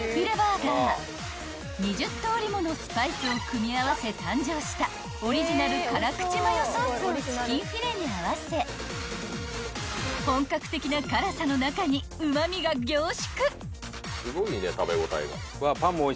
［２０通りものスパイスを組み合わせ誕生したオリジナル辛口マヨソースをチキンフィレに合わせ本格的な辛さの中にうま味が凝縮］